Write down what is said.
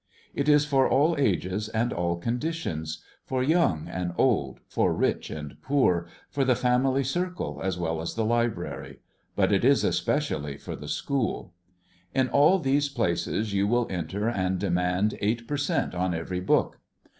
It is for all ages and all conditions, ŌĆö for young and old, for rich and poor, for the family circle as well as the library, ŌĆö but it is especially for the school In all these places you will enter and de mand eight per cent on every book.